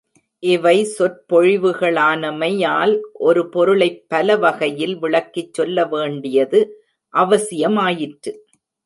இவை சொற்பொழிவுகளானமையால் ஒரு பொருளைப் பல வகையில் விளக்கிச் சொல்ல வேண்டியது அவசியமாயிற்று.